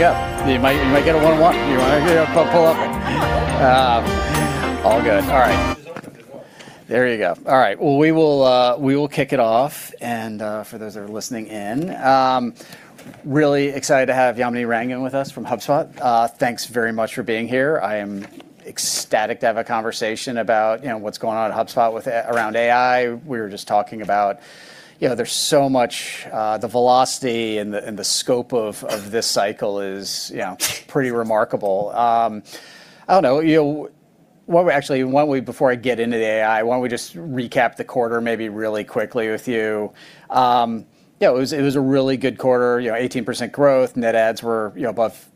Here we go. You might get a one-one. You want to pull up? All good. All right. There you go. All right. Well, we will kick it off, and for those that are listening in, really excited to have Yamini Rangan with us from HubSpot. Thanks very much for being here. I am ecstatic to have a conversation about what's going on at HubSpot around AI. We were just talking about how there's so much. The velocity and the scope of this cycle is pretty remarkable. I don't know. Actually, why don't we, before I get into the AI, why don't we just recap the quarter maybe really quickly with you? It was a really good quarter, 18% growth. Net adds were above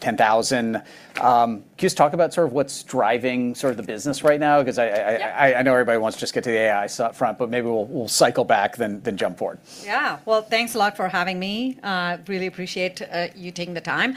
10,000. Can you just talk about what's driving the business right now? Yeah. I know everybody wants to just get to the AI front, but maybe we'll cycle back, then jump forward. Yeah. Well, thanks a lot for having me. Really appreciate you taking the time.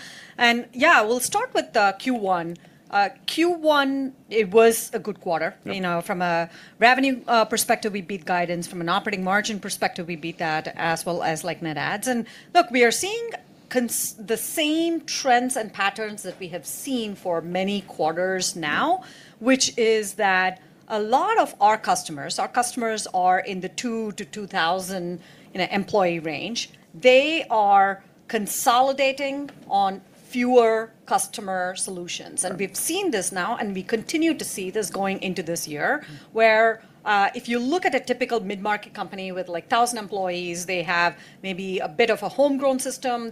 Yeah, we'll start with Q1. Q1, it was a good quarter. Yeah. From a revenue perspective, we beat guidance. From an operating margin perspective, we beat that as well as net adds. Look, we are seeing the same trends and patterns that we have seen for many quarters now, which is that a lot of our customers are in the two to 2,000 employee range. They are consolidating on fewer customer solutions. We've seen this now, and we continue to see this going into this year. Where if you look at a typical mid-market company with 1,000 employees, they have maybe a bit of a homegrown system.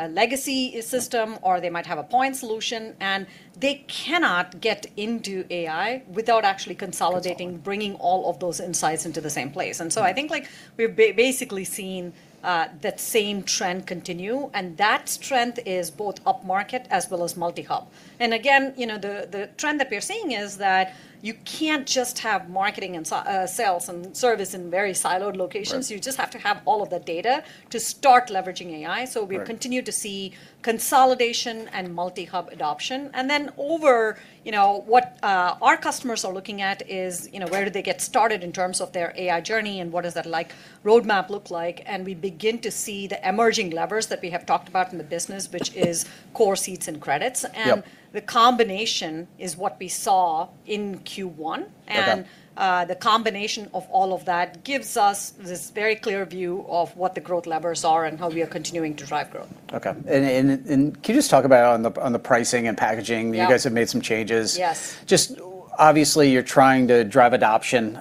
A legacy system, or they might have a point solution, and they cannot get into AI without actually consolidating. Bringing all of those insights into the same place. I think we're basically seeing that same trend continue, and that trend is both up-market as well as multi-hub. Again, the trend that we're seeing is that you can't just have marketing and sales and service in very siloed locations. Right. You just have to have all of the data to start leveraging AI. Right. We continue to see consolidation and multi-hub adoption. Over what our customers are looking at is, where do they get started in terms of their AI journey? And what does that roadmap look like? We begin to see the emerging levers that we have talked about in the business, which is core seats and credits. Yep. The combination is what we saw in Q1. Okay. The combination of all of that gives us this very clear view of what the growth levers are and how we are continuing to drive growth. Okay. Can you just talk about on the pricing and packaging? Yeah. You guys have made some changes. Yes. Just obviously you're trying to drive adoption.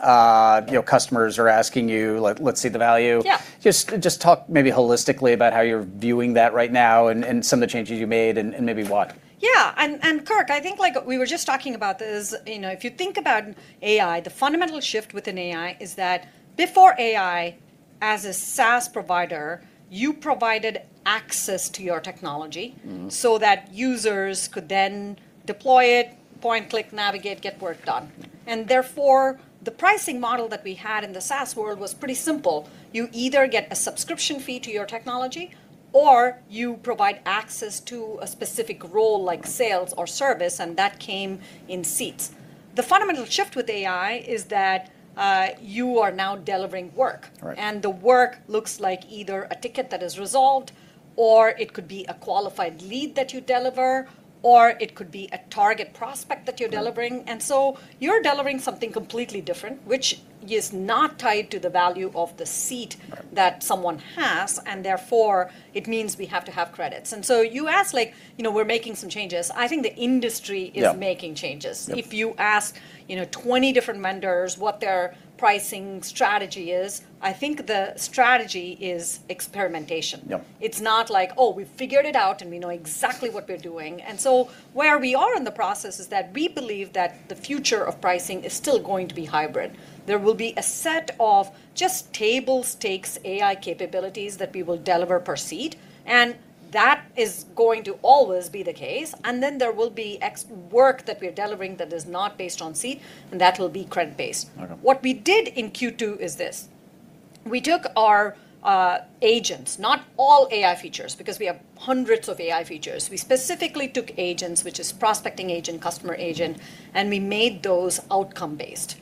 Customers are asking you, let's see the value. Yeah. Just talk maybe holistically about how you're viewing that right now and some of the changes you made and maybe why? Yeah. Kirk, I think we were just talking about this, if you think about AI, the fundamental shift within AI is that before AI, as a SaaS provider, you provided access to your technology. So that users could then deploy it, point, click, navigate, get work done. Therefore, the pricing model that we had in the SaaS world was pretty simple. You either get a subscription fee to your technology, or you provide access to a specific role like sales or service, and that came in seats. The fundamental shift with AI is that you are now delivering work. Right. The work looks like either a ticket that is resolved, or it could be a qualified lead that you deliver, or it could be a target prospect that you're delivering. You're delivering something completely different, which is not tied to the value of the seat. That someone has, and therefore it means we have to have credits. So you asked, we're making some changes. I think the industry is. Yeah. Making changes. If you ask 20 different vendors what their pricing strategy is, I think the strategy is experimentation. Yep. It's not like, oh, we've figured it out and we know exactly what we're doing. Where we are in the process is that we believe that the future of pricing is still going to be hybrid. There will be a set of just table stakes AI capabilities that we will deliver per seat, and that is going to always be the case. Then there will be X work that we are delivering that is not based on seat, and that will be credit-based. Okay. What we did in Q2 is this. We took our agents, not all AI features, because we have hundreds of AI features. We specifically took agents, which is Prospecting Agent, Customer Agent, and we made those outcome based.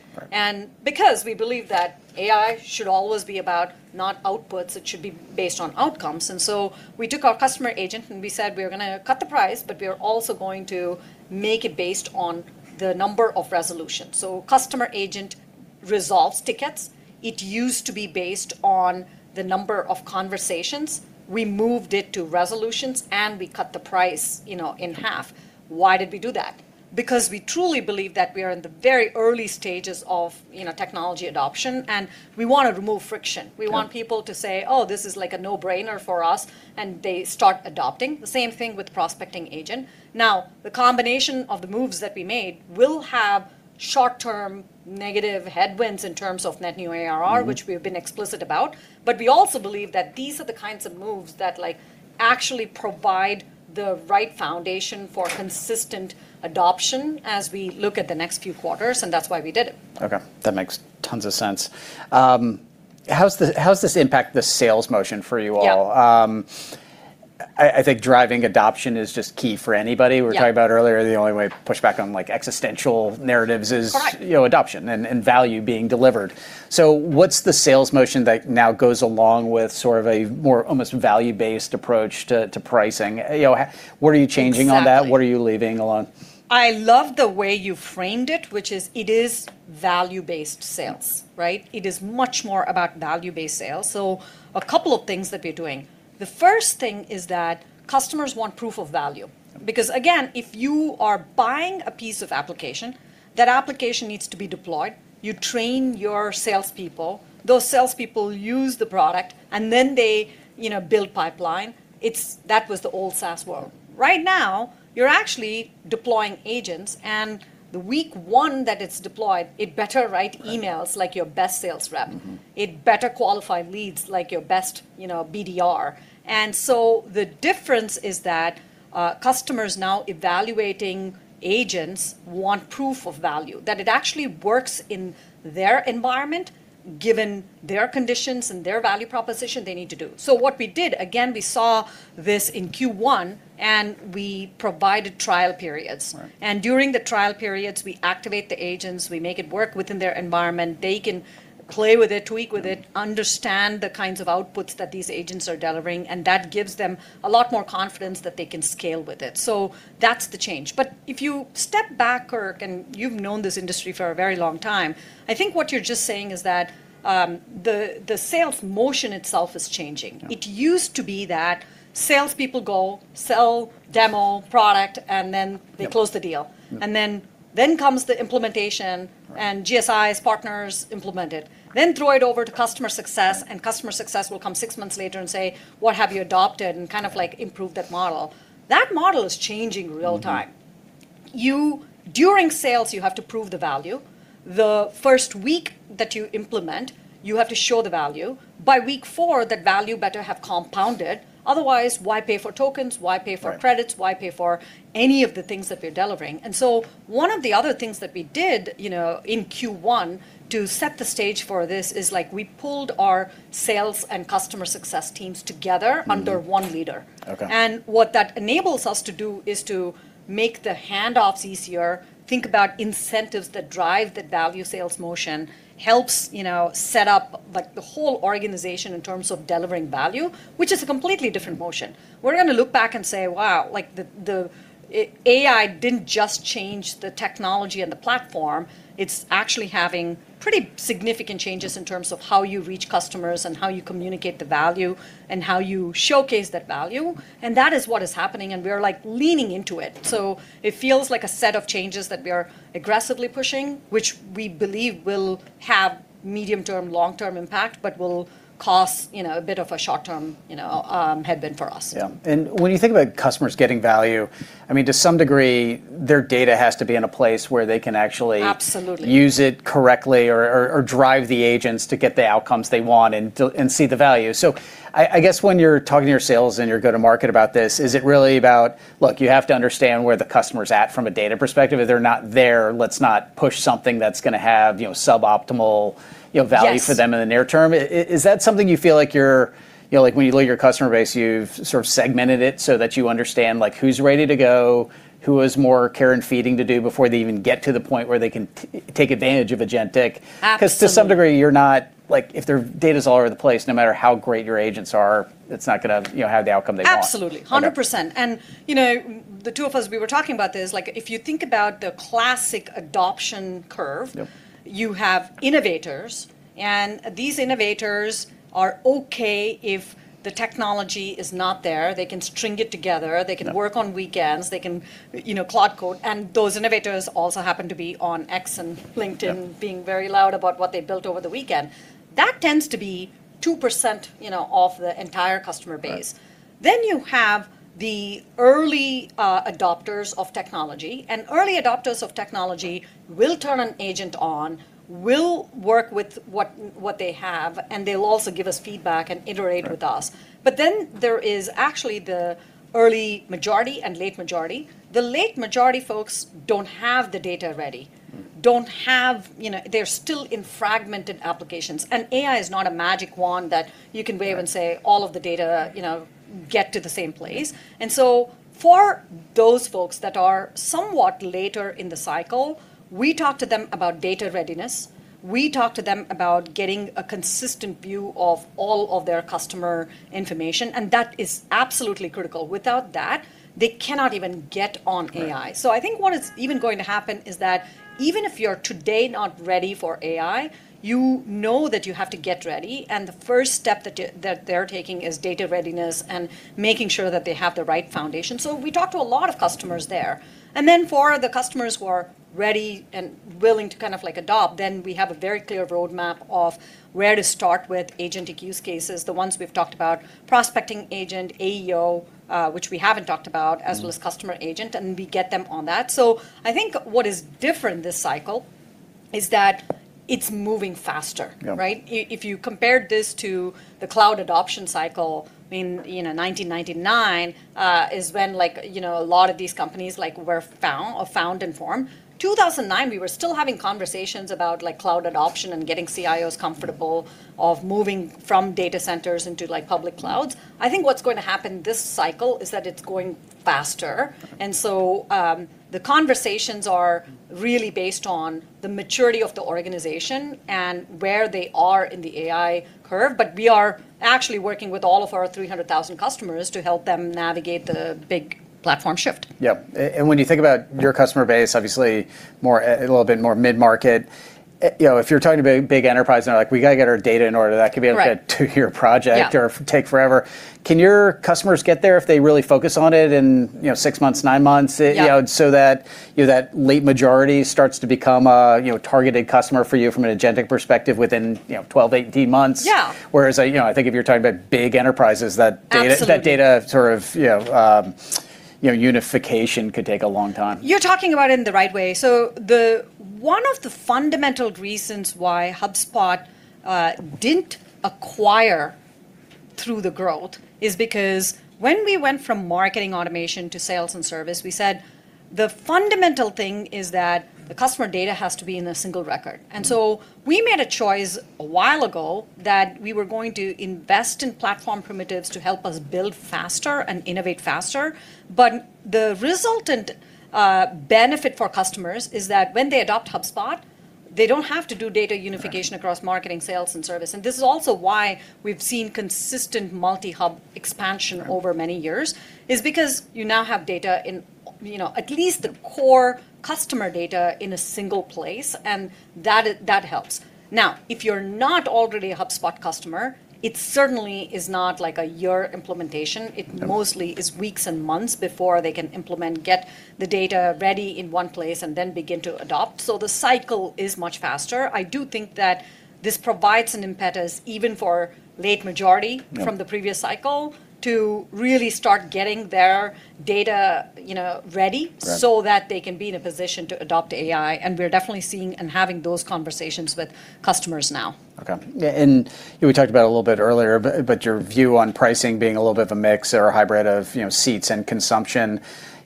Because we believe that AI should always be about not outputs, it should be based on outcomes. So we took our Customer Agent, and we said, we're going to cut the price, but we are also going to make it based on the number of resolutions. Customer Agent resolves tickets. It used to be based on the number of conversations. We moved it to resolutions, and we cut the price in half. Why did we do that? Because we truly believe that we are in the very early stages of technology adoption, and we want to remove friction. We want people to say, oh, this is a no-brainer for us. They start adopting. The same thing with Prospecting Agent. Now, the combination of the moves that we made will have short-term negative headwinds in terms of net new ARR. Which we have been explicit about. We also believe that these are the kinds of moves that actually provide the right foundation for consistent adoption as we look at the next few quarters, and that's why we did it. Okay. That makes tons of sense. How does this impact the sales motion for you all? Yeah. I think driving adoption is just key for anybody. Yeah. We were talking about it earlier, the only way to push back on existential narratives is. Correct. Adoption and value being delivered. What's the sales motion that now goes along with sort of a more almost value-based approach to pricing? What are you changing on that? Exactly. What are you leaving alone? I love the way you framed it, which is, it is value-based sales, right? It is much more about value-based sales. A couple of things that we're doing. The first thing is that customers want proof of value. Again, if you are buying a piece of application, that application needs to be deployed. You train your salespeople, those salespeople use the product, and then they build pipeline. That was the old SaaS world. Right now, you're actually deploying agents, and the week one that it's deployed, it better write emails like your best sales rep. It better qualify leads like your best BDR. The difference is that customers now evaluating agents want proof of value, that it actually works in their environment, given their conditions and their value proposition they need to do. What we did, again, we saw this in Q1, and we provided trial periods. Right. During the trial periods, we activate the agents, we make it work within their environment. They can play with it, tweak with it, understand the kinds of outputs that these agents are delivering, and that gives them a lot more confidence that they can scale with it. That's the change. If you step back, Kirk, and you've known this industry for a very long time, I think what you're just saying is that the sales motion itself is changing. It used to be that salespeople go sell demo product, and then they close the deal. Yeah. Then comes the implementation. GSI's partners implement it. Throw it over to customer success, Customer success will come six months later and say, what have you adopted? Kind of improve that model. That model is changing real time. During sales, you have to prove the value. The first week that you implement, you have to show the value. By week four, that value better have compounded. Otherwise, why pay for tokens? Why pay for credits? Right. Why pay for any of the things that we're delivering? One of the other things that we did in Q1 to set the stage for this is we pulled our sales and customer success teams together under one leader. Okay. What that enables us to do is to make the hand-offs easier, think about incentives that drive the value sales motion, helps set up the whole organization in terms of delivering value, which is a completely different motion. We're going to look back and say, wow, AI didn't just change the technology and the platform. It's actually having pretty significant changes in terms of how you reach customers and how you communicate the value and how you showcase that value. That is what is happening, and we're leaning into it. It feels like a set of changes that we are aggressively pushing, which we believe will have medium term, long term impact, but will cause a bit of a short term headwind for us. Yeah. When you think about customers getting value, to some degree, their data has to be in a place where they can actually. Absolutely. Use it correctly or drive the agents to get the outcomes they want and see the value. I guess when you're talking to your sales and your go-to-market about this, is it really about, look, you have to understand where the customer's at from a data perspective? If they're not there, let's not push something that's going to have suboptimal value for them in the near term? Is that something you feel like when you look at your customer base, you've sort of segmented it so that you understand who's ready to go? Who is more care and feeding to do before they even get to the point where they can take advantage of agentic? Absolutely. To some degree, if their data's all over the place, no matter how great your agents are, it's not going to have the outcome they want. Absolutely. 100%. Okay. The two of us, we were talking about this, if you think about the classic adoption curve. Yep. You have innovators, and these innovators are okay if the technology is not there. They can string it together. Yep. They can work on weekends. They can write code. Those innovators also happen to be on X and LinkedIn. Yeah. Being very loud about what they built over the weekend. That tends to be 2% of the entire customer base. Right. You have the early adopters of technology, and early adopters of technology will turn an agent on, will work with what they have, and they'll also give us feedback and iterate with us. There is actually the early majority and late majority. The late majority folks don't have the data ready. They're still in fragmented applications. AI is not a magic wand that you can wave and say, all of the data, get to the same place. For those folks that are somewhat later in the cycle, we talk to them about data readiness. We talk to them about getting a consistent view of all of their customer information, and that is absolutely critical. Without that, they cannot even get on AI. I think what is even going to happen is that even if you're today not ready for AI, you know that you have to get ready, and the first step that they're taking is data readiness and making sure that they have the right foundation. We talk to a lot of customers there. Then for the customers who are ready and willing to adopt, then we have a very clear roadmap of where to start with agentic use cases, the ones we've talked about, Prospecting Agent, AEO, which we haven't talked about. As well as Customer Agent. We get them on that. I think what is different this cycle is that it's moving faster. Yeah. Right? If you compared this to the cloud adoption cycle in 1999, is when a lot of these companies were found or found and formed. 2009, we were still having conversations about cloud adoption and getting CIOs comfortable of moving from data centers into public clouds. I think what's going to happen this cycle is that it's going faster. The conversations are really based on the maturity of the organization and where they are in the AI curve. We are actually working with all of our 300,000 customers to help them navigate the big platform shift. Yep. When you think about your customer base, obviously a little bit more mid-market, if you're talking to big enterprise now, like, we got to get our data in order. Right. A two-year project. Yeah. Or take forever. Can your customers get there if they really focus on it in six months, nine months? Yeah. That late majority starts to become a targeted customer for you from an agentic perspective within 12, 18 months. Yeah. I think if you're talking about big enterprises, that data. Absolutely. Sort of unification could take a long time. You're talking about it in the right way. One of the fundamental reasons why HubSpot didn't acquire through the growth is because when we went from marketing automation to sales and service. We said the fundamental thing is that the customer data has to be in a single record. We made a choice a while ago that we were going to invest in platform primitives to help us build faster and innovate faster. The resultant benefit for customers is that when they adopt HubSpot. They don't have to do data unification across marketing, sales, and service. This is also why we've seen consistent multi-hub expansion over many years is because you now have data in, at least the core customer data, in a single place, and that helps. If you're not already a HubSpot customer, it certainly is not like a year implementation. It mostly is weeks and months before they can implement, get the data ready in one place, and then begin to adopt. The cycle is much faster. I do think that this provides an impetus, even for late majority. Yeah. From the previous cycle to really start getting their data ready Right. That they can be in a position to adopt AI, and we're definitely seeing and having those conversations with customers now. Okay. Yeah, we talked about it a little bit earlier, but your view on pricing being a little bit of a mix or a hybrid of seats and consumption,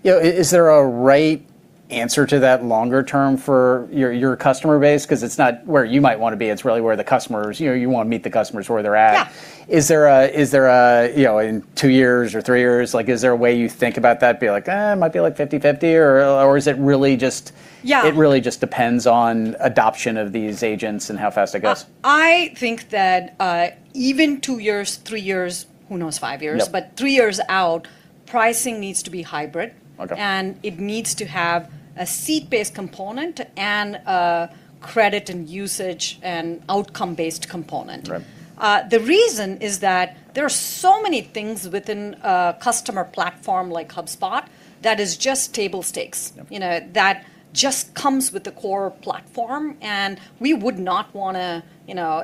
is there a right answer to that longer term for your customer base? It's not where you might want to be, it's really where you want to meet the customers where they're at. Yeah. In two years or three years, is there a way you think about that, be like, eh, might be 50/50, or is it really just? Yeah. It really just depends on adoption of these agents and how fast it goes? I think that, even two years, three years, who knows, five years. Yep. Three years out, pricing needs to be hybrid. Okay. It needs to have a seat-based component and a credit and usage and outcome-based component. Right. The reason is that there are so many things within a customer platform like HubSpot that is just table stakes. Yep. That just comes with the core platform, and we would not want to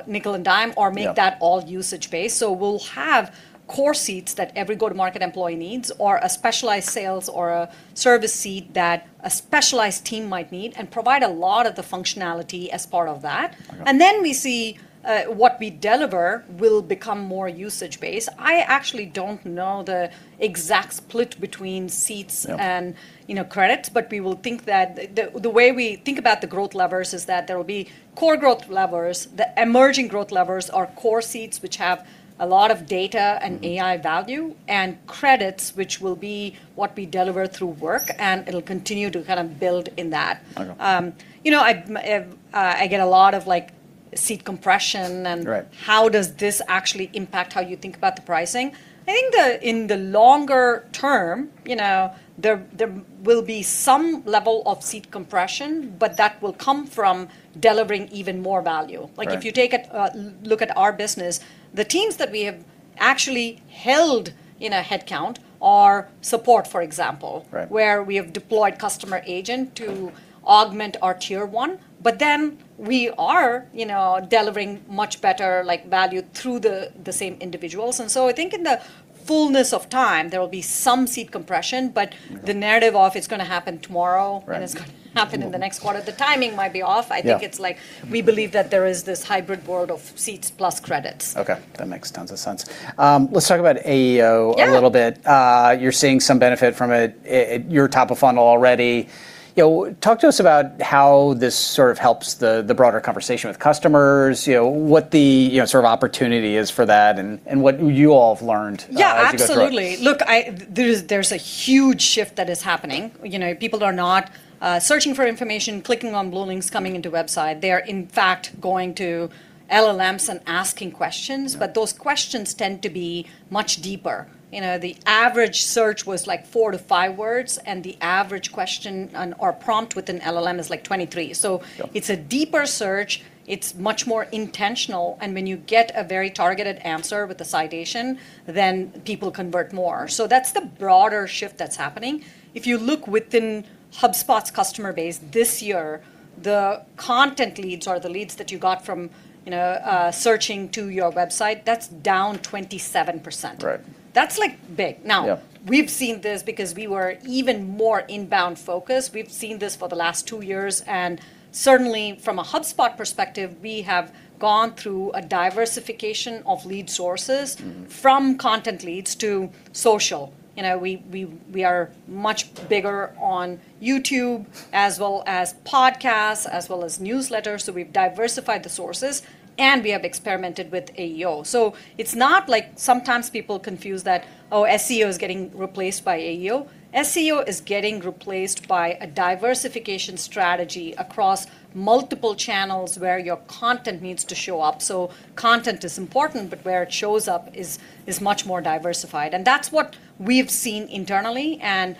nickel and dime. Yeah. That all usage-based. We'll have core seats that every go-to-market employee needs, or a specialized sales or a service seat that a specialized team might need, and provide a lot of the functionality as part of that. We see what we delever will become more usage-based. I actually don't know the exact split between seats. Yep. And credit, but we will think that the way we think about the growth levers is that there will be core growth levers. The emerging growth levers are core seats, which have a lot of data and AI value, and credits, which will be what we deliver through work, and it'll continue to kind of build in that. Okay. I get a lot of seat compression. Right. How does this actually impact how you think about the pricing? I think that in the longer term, there will be some level of seat compression, but that will come from delivering even more value. Right. If you take a look at our business, the teams that we have actually held in a headcount are support, for example. Right. Where we have deployed Customer Agent to augment our Tier 1. We are delivering much better value through the same individuals. I think in the fullness of time, there will be some seat compression, but the narrative of it's going to happen tomorrow. Right. It's going to happen in the next quarter, the timing might be off. Yeah. I think it's like we believe that there is this hybrid world of seats + credits. Okay. That makes tons of sense. Let's talk about AEO a little bit. Yeah. You're seeing some benefit from it at your top of funnel already. Talk to us about how this sort of helps the broader conversation with customers, what the sort of opportunity is for that, and what you all have learned? Yeah, absolutely. As you go through it. Look, there's a huge shift that is happening. People are not searching for information, clicking on blue links, coming into website. They are in fact going to LLMs and asking questions. Those questions tend to be much deeper. The average search was four to five words, and the average question or prompt with an LLM is like 23. Yep. It's a deeper search. It's much more intentional. When you get a very targeted answer with a citation, then people convert more. That's the broader shift that's happening. If you look within HubSpot's customer base this year, the content leads or the leads that you got from searching to your website, that's down 27%. Right. That's like big. Yeah. We've seen this because we were even more inbound focused. We've seen this for the last two years, and certainly from a HubSpot perspective, we have gone through a diversification of lead sources. From content leads to social. We are much bigger on YouTube as well as podcasts, as well as newsletters. We've diversified the sources, and we have experimented with AEO. It's not like sometimes people confuse that, oh, SEO is getting replaced by AEO. SEO is getting replaced by a diversification strategy across multiple channels where your content needs to show up. Content is important, but where it shows up is much more diversified, and that's what we've seen internally, and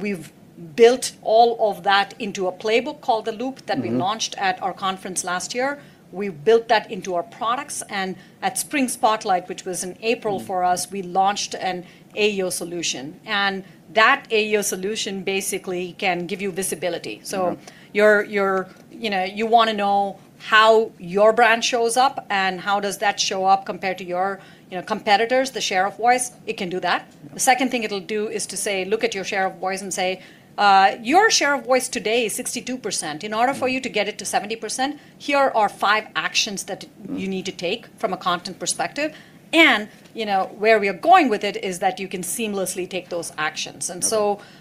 we've built all of that into a playbook called The Loop that we. Launched at our conference last year. We've built that into our products. At Spring Spotlight, which was in April for us. We launched an AEO solution. That AEO solution basically can give you visibility. You want to know how your brand shows up and how does that show up compared to your competitors, the share of voice, it can do that. The second thing it'll do is to say, look at your share of voice and say, your share of voice today is 62%. In order for you to get it to 70%. You need to take from a content perspective. Where we are going with it is that you can seamlessly take those actions.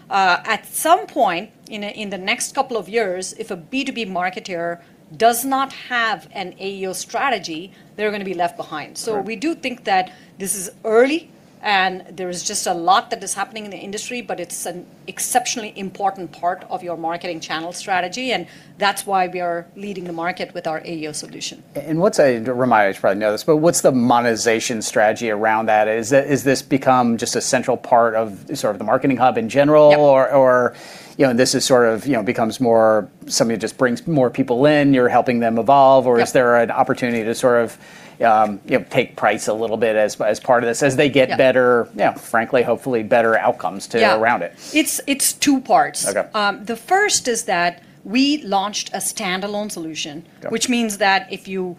At some point in the next couple of years, if a B2B marketeer does not have an AEO strategy, they're going to be left behind. We do think that this is early, and there is just a lot that is happening in the industry, but it's an exceptionally important part of your marketing channel strategy, and that's why we are leading the market with our AEO solution. What's a, Yamini, you probably know this, but what's the monetization strategy around that? Is this become just a central part of sort of the Marketing Hub in general? Yeah. This sort of becomes more something that just brings more people in, you're helping them evolve. Yep. Is there an opportunity to sort of take price a little bit as part of this? Yeah. As they get, frankly, hopefully better outcomes too. Yeah Around it? It's two parts. Okay. The first is that we launched a standalone solution. Okay. Which means that if you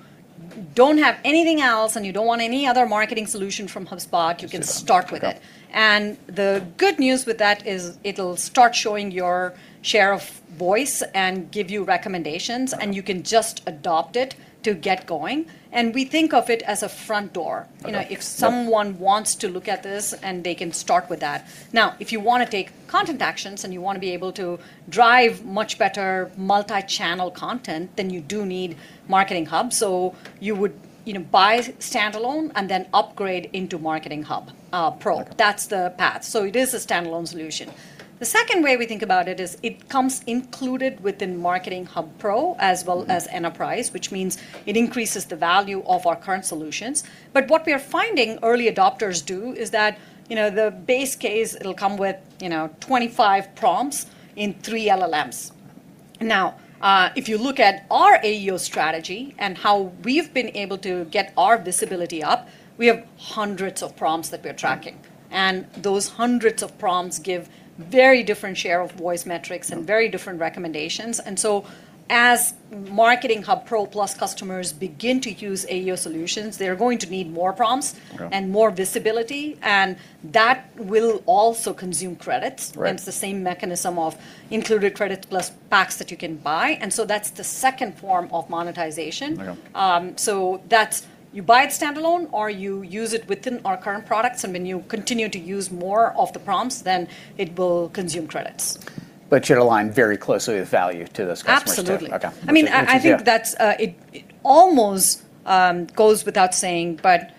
don't have anything else, and you don't want any other marketing solution from HubSpot, you can start with it. Okay. The good news with that is it'll start showing your share of voice and give you recommendations. Okay. You can just adopt it to get going. We think of it as a front door. Okay. Yeah. If someone wants to look at this, and they can start with that. If you want to take content actions, and you want to be able to drive much better multi-channel content, then you do need Marketing Hub. You would buy standalone and then upgrade into Marketing Hub Pro. That's the path. It is a standalone solution. The second way we think about it is it comes included within Marketing Hub Pro as well as Enterprise, which means it increases the value of our current solutions. What we are finding early adopters do is that the base case, it'll come with 25 prompts in three LLMs. If you look at our AEO strategy and how we've been able to get our visibility up, we have hundreds of prompts that we are tracking. Those hundreds of prompts give very different share of voice metrics. Very different recommendations. As Marketing Hub Pro+ customers begin to use AEO solutions, they're going to need more prompts. Okay. More visibility, and that will also consume credits. Right. It's the same mechanism of included credits plus packs that you can buy. That's the second form of monetization. Okay. That's you buy it standalone, or you use it within our current products, and when you continue to use more of the prompts, then it will consume credits. You're aligned very closely with value to those customers too. Absolutely. Okay. I think that it almost goes without saying, but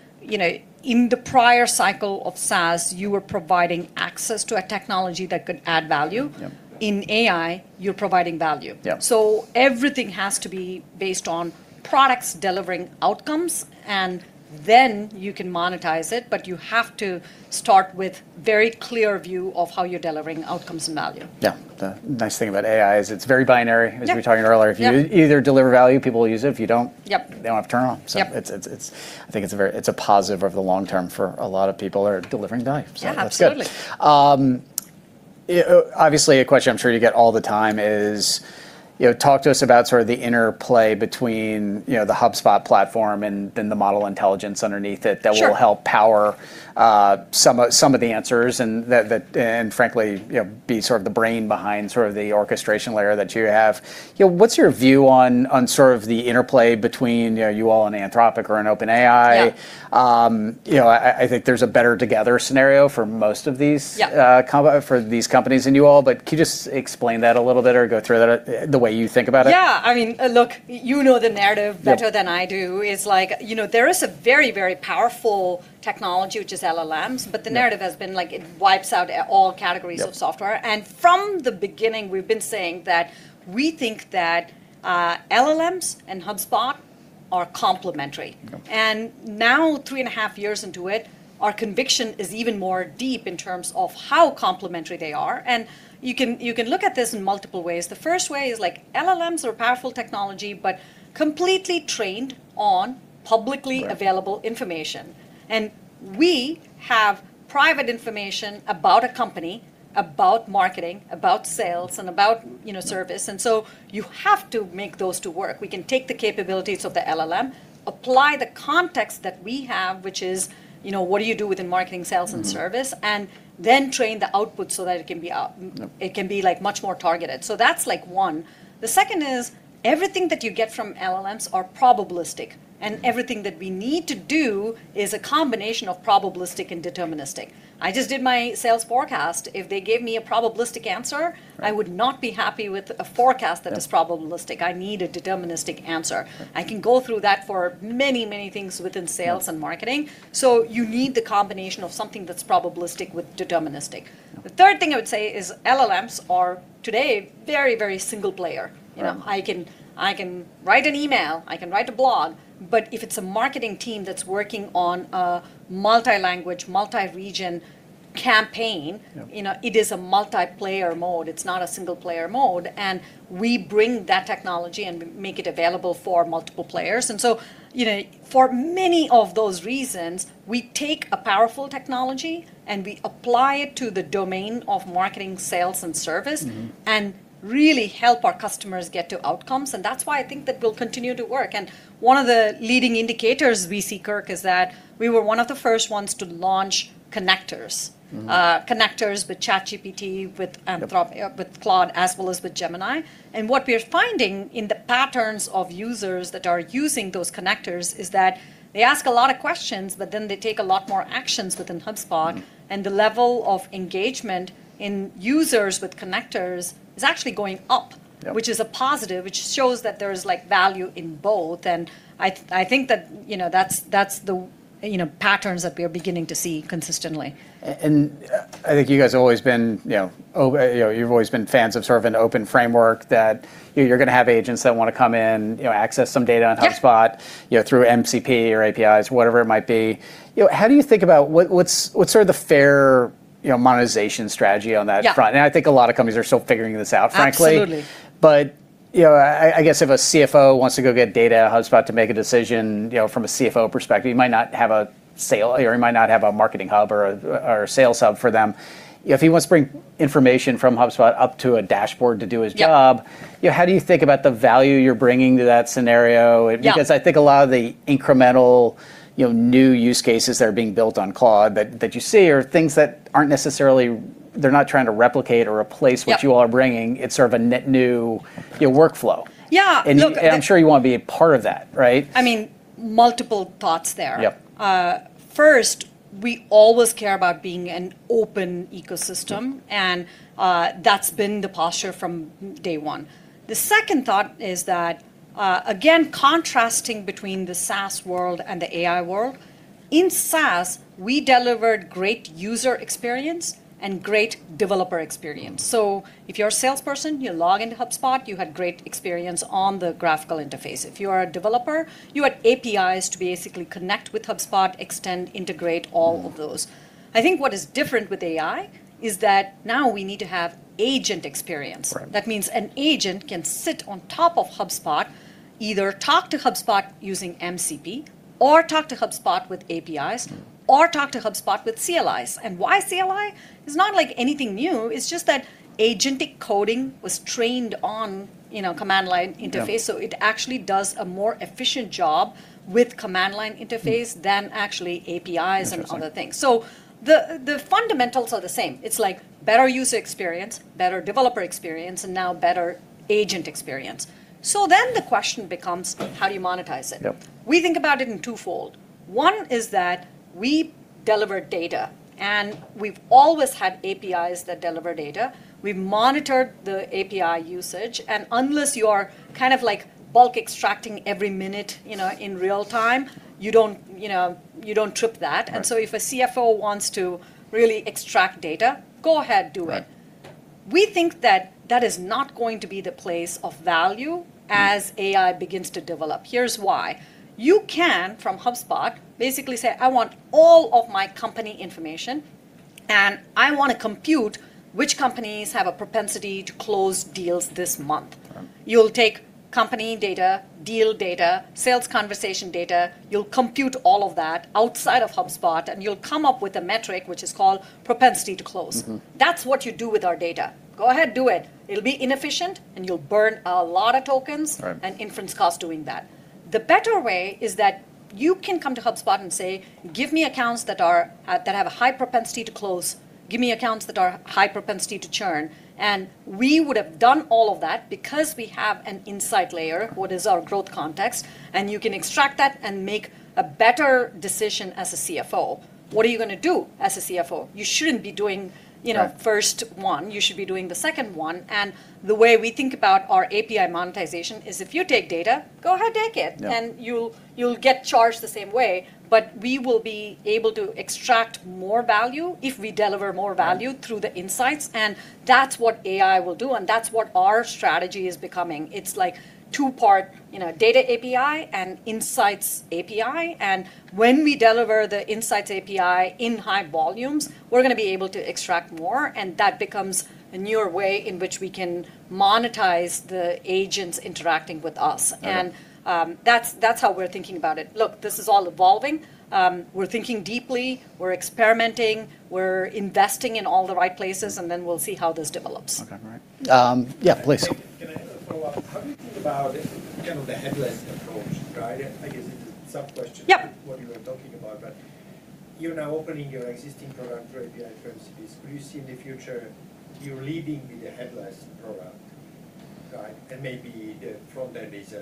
in the prior cycle of SaaS, you were providing access to a technology that could add value. Yep. In AI, you're providing value. Yep. Everything has to be based on products delivering outcomes, and then you can monetize it, but you have to start with very clear view of how you're delivering outcomes and value. Yeah. The nice thing about AI is it's very binary. Yeah. As we were talking earlier. Yeah. If you either deliver value, people will use it. If you don't. Yep. They don't have turnaround. Yep. I think it's a positive over the long term for a lot of people who are delivering value. That's good. Yeah. Absolutely. Obviously, a question I'm sure you get all the time is talk to us about sort of the interplay between the HubSpot platform and then the model intelligence underneath it. Sure. That will help power some of the answers and frankly, be sort of the brain behind the orchestration layer that you have. What's your view on sort of the interplay between you all and Anthropic or an OpenAI? Yeah. I think there's a better together scenario for most of these. Yeah. For these companies and you all, can you just explain that a little bit or go through the way you think about it? Yeah. Look, you know. Yeah. Better than I do is there is a very, very powerful technology, which is LLMs. The narrative has been it wipes out all categories of software. Yep. From the beginning we've been saying that we think that LLMs and HubSpot are complementary. Now 3.5 years into it, our conviction is even more deep in terms of how complementary they are. You can look at this in multiple ways. The first way is LLMs are powerful technology. Completely trained on publicly available information. We have private information about a company, about marketing, about sales, and about service. So you have to make those two work. We can take the capabilities of the LLM, apply the context that we have, which is what do you do within marketing, sales, and service. Train the output so that it can be out It can be much more targeted. That's one. The second is everything that you get from LLMs are probabilistic, and everything that we need to do is a combination of probabilistic and deterministic. I just did my sales forecast. If they gave me a probabilistic answer- I would not be happy with a forecast that is probabilistic. I need a deterministic answer. I can go through that for many, many things within sales and marketing. You need the combination of something that's probabilistic with deterministic. The third thing I would say is LLMs are today very, very single player. Right. I can write an email, I can write a blog, but if it's a marketing team that's working on a multi-language, multi-region campaign. Yeah. It is a multiplayer mode. It's not a single-player mode. We bring that technology and make it available for multiple players. For many of those reasons, we take a powerful technology, and we apply it to the domain of marketing, sales, and service. Really help our customers get to outcomes. That's why I think that we'll continue to work. One of the leading indicators we see, Kirk, is that we were one of the first ones to launch connectors. Connectors with ChatGPT, Anthropic, with Claude, as well as with Gemini. What we're finding in the patterns of users that are using those connectors is that they ask a lot of questions, but then they take a lot more actions within HubSpot. The level of engagement in users with connectors is actually going up. Yeah. Which is a positive, which shows that there's value in both, and I think that that's the patterns that we're beginning to see consistently. I think you guys have always been fans of sort of an open framework that you're going to have agents that want to come in, access some data on HubSpot. Yeah. Through MCP or APIs, whatever it might be. How do you think about what's sort of the fair monetization strategy on that front? Yeah. I think a lot of companies are still figuring this out, frankly. Absolutely. I guess if a CFO wants to go get data out of HubSpot to make a decision from a CFO perspective. He might not have a sale, or he might not have a Marketing Hub or a Sales Hub for them. If he wants to bring information from HubSpot up to a dashboard to do his job. Yep. How do you think about the value you're bringing to that scenario? Yeah. I think a lot of the incremental, new use cases that are being built on Claude that you see are things that they're not trying to replicate or replace. Yep. What you all are bringing. It's sort of a net new workflow. Yeah. Look. I'm sure you want to be a part of that, right? I mean, multiple thoughts there. Yep. First, we always care about being an open ecosystem, and that's been the posture from day one. The second thought is that, again, contrasting between the SaaS world and the AI world, in SaaS, we delivered great user experience and great developer experience. If you're a salesperson, you log into HubSpot, you have great experience on the graphical interface. If you are a developer, you have APIs to basically connect with HubSpot, extend, integrate all of those. I think what is different with AI is that now we need to have agent experience. That means an agent can sit on top of HubSpot, either talk to HubSpot using MCP. Or talk to HubSpot with APIs, or talk to HubSpot with CLIs. Why CLI? It's not anything new, it's just that agentic coding was trained on command line interface. Yeah. It actually does a more efficient job with command line interface than actually APIs. Interesting. Other things. The fundamentals are the same. It's better user experience, better developer experience, and now better agent experience. The question becomes, how do you monetize it? Yep. We think about it in twofold. One is that we deliver data, and we've always had APIs that deliver data. We've monitored the API usage, and unless you are kind of bulk extracting every minute in real time, you don't trip that. Right. If a CFO wants to really extract data, go ahead, do it. Right. We think that that is not going to be the place of value as AI begins to develop. Here's why. You can, from HubSpot, basically say, I want all of my company information, and I want to compute which companies have a propensity to close deals this month. You'll take company data, deal data, sales conversation data, you'll compute all of that outside of HubSpot, and you'll come up with a metric which is called propensity to close. That's what you do with our data. Go ahead, do it. It'll be inefficient, and you'll burn a lot of tokens. Right. Inference costs doing that. The better way is that you can come to HubSpot and say, give me accounts that have a high propensity to close, give me accounts that are high propensity to churn. We would've done all of that because we have an insight layer, what is our growth context, and you can extract that and make a better decision as a CFO. What are you going to do as a CFO? First one. You should be doing the second one. The way we think about our API monetization is if you take data, go ahead, take it. Yeah. You'll get charged the same way, but we will be able to extract more value if we deliver more value. Through the insights, and that's what AI will do, and that's what our strategy is becoming. It's two-part data API and insights API. When we deliver the insights API in high volumes, we're going to be able to extract more. That becomes a newer way in which we can monetize the agents interacting with us. That's how we're thinking about it. Look, this is all evolving. We're thinking deeply. We're experimenting. We're investing in all the right places, and then we'll see how this develops. Okay. Great. Yeah, please. Can I follow up? How do you think about kind of the headless approach, right? I guess it's a sub-question. Yep. To what you were talking about, you're now opening your existing product for API-first use cases. Will you see in the future you leading with a headless product? Right? Maybe the front end is a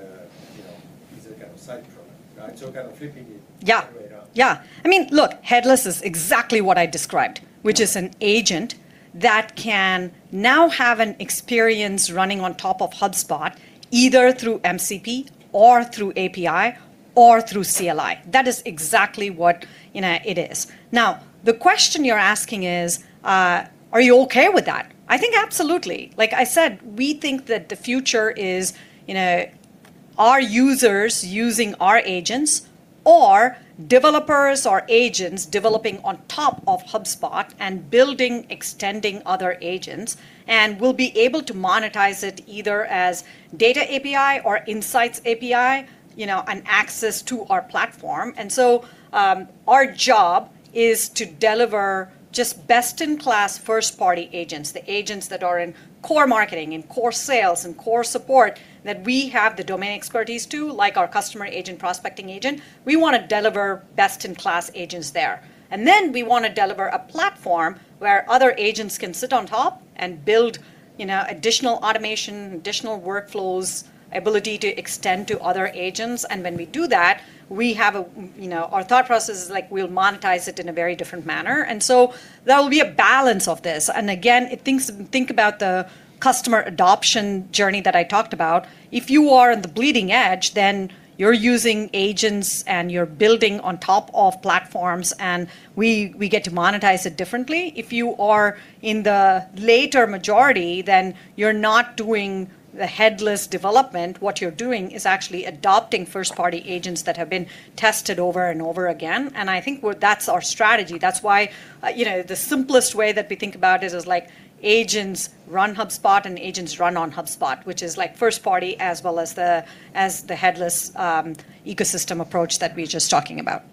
kind of side product, right? Kind of flipping it. Yeah. The other way around. Yeah. I mean, look, headless is exactly what I described. Which is an agent that can now have an experience running on top of HubSpot, either through MCP or through API or through CLI. That is exactly what it is. The question you're asking is, are you okay with that? I think absolutely. Like I said, we think that the future is our users using our agents or developers or agents developing on top of HubSpot and building, extending other agents. We'll be able to monetize it either as data API or insights API, and access to our platform. Our job is to deliver just best-in-class first-party agents, the agents that are in core marketing, in core sales, in core support that we have the domain expertise too, like our Customer Agent, Prospecting Agent. We want to deliver best-in-class agents there. Then we want to deliver a platform where other agents can sit on top and build additional automation, additional workflows, ability to extend to other agents. When we do that, our thought process is like we'll monetize it in a very different manner. So that will be a balance of this. Again, think about the customer adoption journey that I talked about. If you are on the bleeding edge, then you're using agents and you're building on top of platforms, and we get to monetize it differently. If you are in the later majority, then you're not doing the headless development. What you're doing is actually adopting first-party agents that have been tested over and over again. I think that's our strategy. That's why the simplest way that we think about it is like agents run HubSpot and agents run on HubSpot, which is first party as well as the headless ecosystem approach that we were just talking about.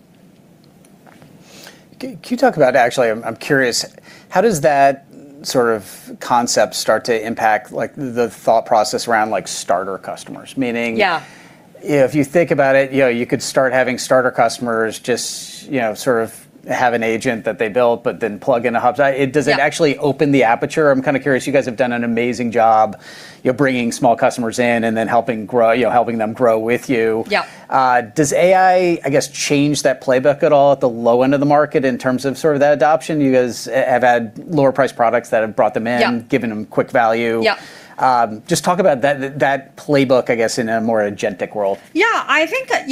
Can you talk about, actually, I'm curious, how does that sort of concept start to impact the thought process around Starter customers? Yeah. Meaning, if you think about it, you could start having Starter customers just sort of have an agent that they built but then plug into HubSpot. Yeah. Does it actually open the aperture? I'm kind of curious. You guys have done an amazing job bringing small customers in and then helping them grow with you. Yeah. Does AI, I guess, change that playbook at all at the low end of the market in terms of sort of that adoption? You guys have had lower priced products that have brought them in. Yeah. Given them quick value. Yeah. Just talk about that playbook, I guess, in a more agentic world. I think that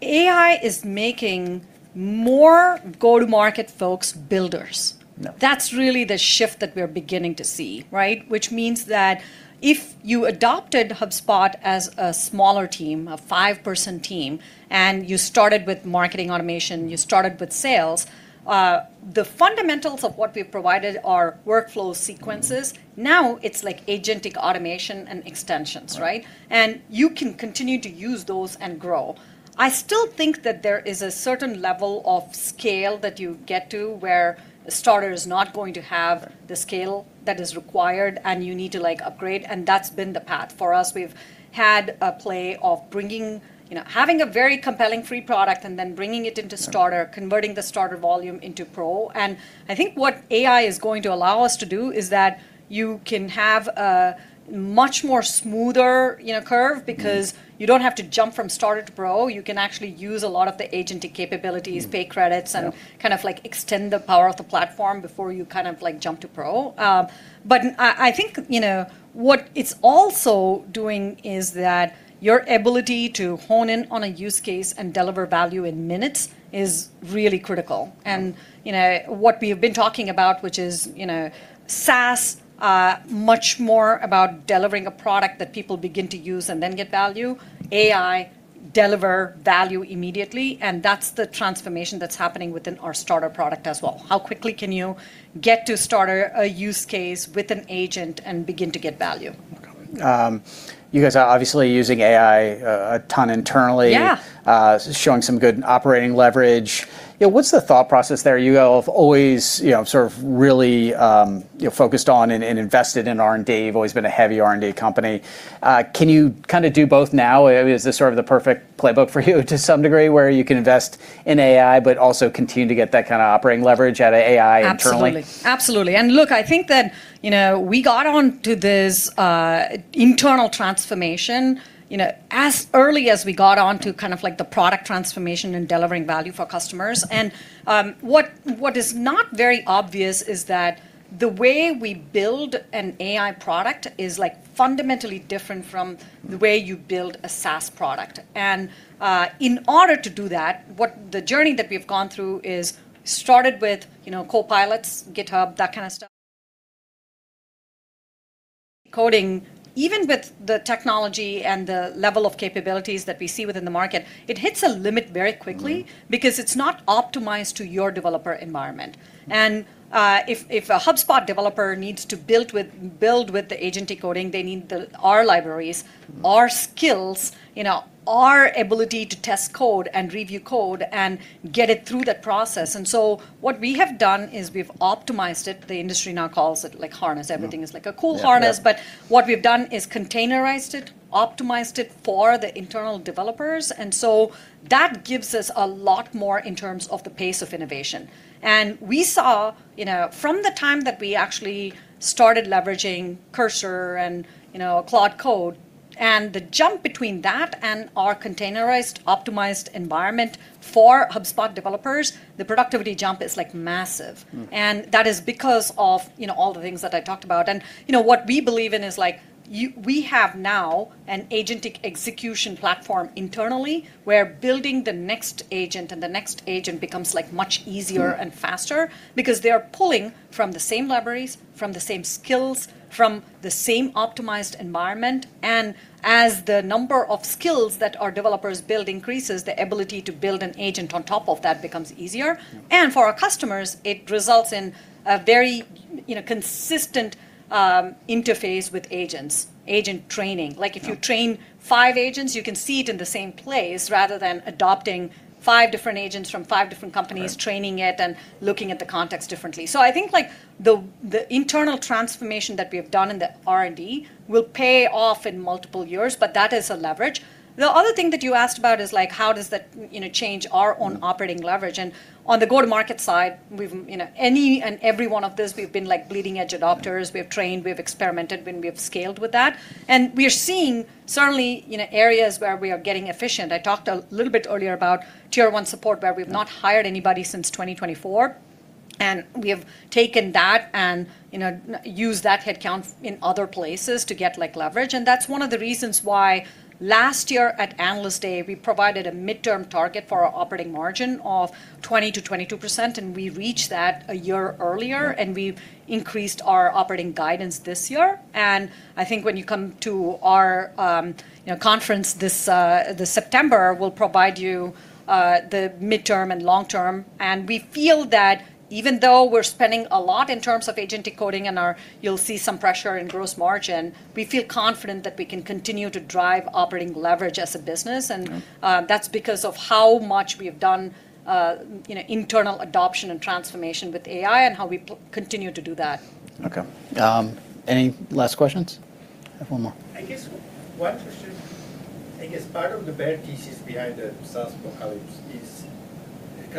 AI is making more go-to-market folks builders. Yeah. That's really the shift that we're beginning to see, right? Which means that if you adopted HubSpot as a smaller team, a five-person team, and you started with marketing automation, you started with sales. The fundamentals of what we've provided are workflow sequences. Now it's like agentic automation and extensions, right? You can continue to use those and grow. I still think that there is a certain level of scale that you get to where a Starter is not going to have the scale that is required, and you need to upgrade, and that's been the path for us. We've had a play of having a very compelling free product and then bringing it into Starter, converting the Starter volume into Pro. I think what AI is going to allow us to do is that you can have a much more smoother curve because you don't have to jump from Starter to Pro. You can actually use a lot of the agentic capabilities, pay credits. Yeah. Kind of extend the power of the platform before you jump to Pro. I think what it's also doing is that your ability to hone in on a use case and deliver value in minutes is really critical. What we have been talking about, which is SaaS, much more about delivering a product that people begin to use and then get value. AI deliver value immediately, and that's the transformation that's happening within our Starter product as well. How quickly can you get to Starter a use case with an agent and begin to get value? You guys are obviously using AI a ton internally. Yeah. Showing some good operating leverage. What's the thought process there? You have always sort of really focused on and invested in R&D. You've always been a heavy R&D company. Can you kind of do both now? Is this sort of the perfect playbook for you to some degree, where you can invest in AI, but also continue to get that kind of operating leverage out of AI internally? Absolutely. Look, I think that we got onto this internal transformation as early as we got onto the product transformation and delivering value for customers. What is not very obvious is that the way we build an AI product is fundamentally different from the way you build a SaaS product. In order to do that, the journey that we've gone through is started with Copilots, GitHub, that kind of stuff. Coding, even with the technology and the level of capabilities that we see within the market. It hits a limit very quickly because it's not optimized to your developer environment. If a HubSpot developer needs to build with the agentic coding, they need our libraries, our skills, our ability to test code and review code and get it through that process. What we have done is we've optimized it. The industry now calls it harness. Everything is like a cool harness. Yeah. What we've done is containerized it, optimized it for the internal developers, and so that gives us a lot more in terms of the pace of innovation. We saw from the time that we actually started leveraging Cursor and Claude Code, and the jump between that and our containerized optimized environment for HubSpot developers, the productivity jump is massive. That is because of all the things that I talked about. What we believe in is we have now an agentic execution platform internally where building the next agent and the next agent becomes much easier and faster because they are pulling from the same libraries, from the same skills, from the same optimized environment. As the number of skills that our developers build increases, the ability to build an agent on top of that becomes easier. For our customers, it results in a very consistent interface with agents, agent training. If you train five agents, you can see it in the same place, rather than adopting five different agents from five different companies. Training it, and looking at the context differently. I think the internal transformation that we have done in the R&D will pay off in multiple years, but that is a leverage. The other thing that you asked about is, how does that change our own operating leverage? On the go-to-market side, any and every one of this, we've been leading-edge adopters. We've trained, we've experimented, and we have scaled with that. We are seeing certainly areas where we are getting efficient. I talked a little bit earlier about Tier 1 support. Not hired anybody since 2024, and we have taken that and used that headcount in other places to get leverage. That's one of the reasons why last year at Analyst Day, we provided a midterm target for our operating margin of 20%-22%, and we reached that a year earlier. We increased our operating guidance this year. I think when you come to our conference this September, we'll provide you the midterm and long-term. We feel that even though we're spending a lot in terms of agent coding and you'll see some pressure in gross margin, we feel confident that we can continue to drive operating leverage as a business. Okay. That's because of how much we have done internal adoption and transformation with AI and how we continue to do that. Okay. Any last questions? I have one more. I guess one question, I guess part of the bear thesis behind the Salesforce collapse is customers will start vibe coding their own solutions. Yep. Are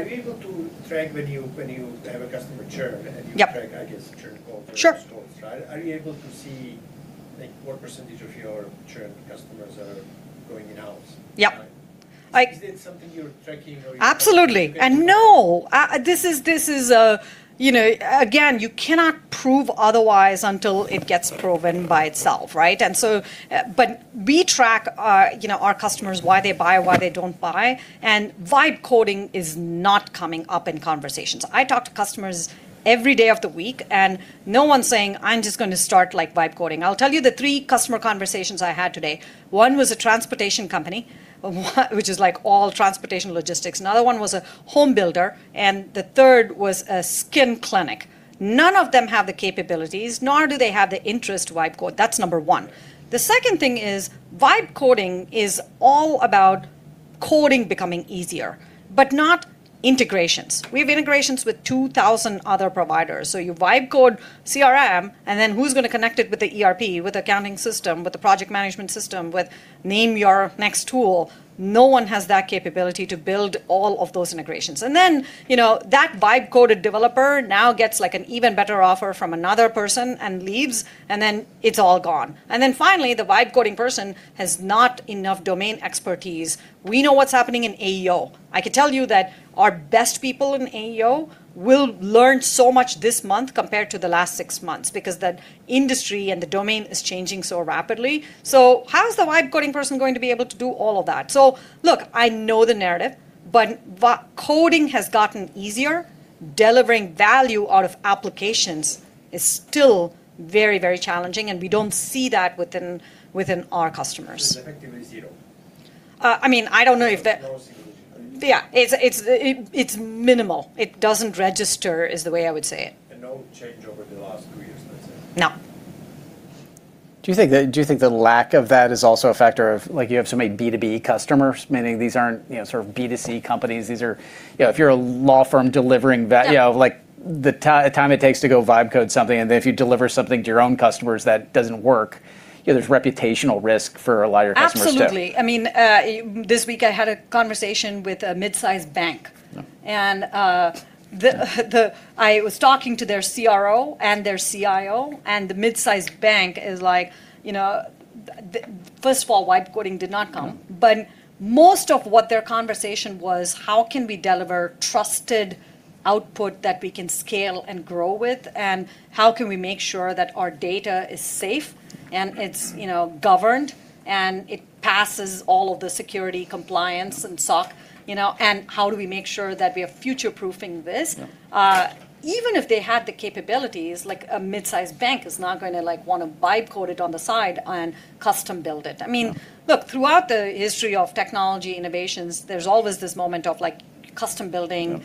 you able to track when you have a customer churn? Yep You track, I guess, churn cohorts. Sure. [Stores], right? Are you able to see what percentage of your churn customers are going in-house? Yep. Is it something you're tracking or? Absolutely. No. Again, you cannot prove otherwise until it gets proven by itself, right? We track our customers, why they buy, why they don't buy, and vibe coding is not coming up in conversations. I talk to customers every day of the week, no one's saying, I'm just going to start vibe coding. I'll tell you the three customer conversations I had today. One was a transportation company, which is all transportation logistics. Another one was a home builder, the third was a skin clinic. None of them have the capabilities, nor do they have the interest to vibe code. That's number one. The second thing is vibe coding is all about coding becoming easier, not integrations. We have integrations with 2,000 other providers. You vibe code CRM, and then who's going to connect it with the ERP, with the accounting system, with the project management system, with name your next tool? No one has that capability to build all of those integrations. That vibe coded developer now gets an even better offer from another person and leaves, and then it's all gone. Finally, the vibe coding person has not enough domain expertise. We know what's happening in AEO. I can tell you that our best people in AEO will learn so much this month compared to the last six months because the industry and the domain is changing so rapidly. How is the vibe coding person going to be able to do all of that? Look, I know the narrative, but coding has gotten easier. Delivering value out of applications is still very, very challenging, and we don't see that within our customers. It's effectively zero? I don't know if the. There's no solution? Yeah. It's minimal. It doesn't register is the way I would say it. No change over the last three years, let's say? No. Do you think the lack of that is also a factor of you have so many B2B customers, meaning these aren't B2C companies? If you're a law firm delivering value. Yeah. The time it takes to go vibe code something, and if you deliver something to your own customers that doesn't work, there's reputational risk for a lot of your customers too. Absolutely. This week I had a conversation with a mid-sized bank. Yeah. I was talking to their CRO and their CIO. The mid-sized bank is like, first of all, vibe coding did not come. No. Most of what their conversation was, how can we deliver trusted output that we can scale and grow with? How can we make sure that our data is safe and it's governed, and it passes all of the security compliance and SOC? How do we make sure that we are future-proofing this? Yeah. Even if they had the capabilities, a mid-sized bank is not going to want to vibe code it on the side and custom-build it. Yeah. Look, throughout the history of technology innovations, there's always this moment of custom building. Yeah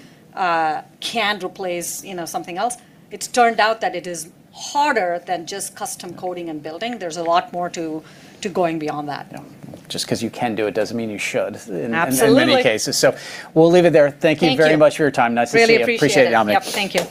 Can replace something else. It's turned out that it is harder than just custom coding and building. There's a lot more to going beyond that. Yeah. Just because you can do it doesn't mean you should. Absolutely. In many cases. We'll leave it there. Thank you. Thank you. Very much for your time. Nice to see you. Really appreciate it. Appreciate it, Yamini. Yep. Thank you.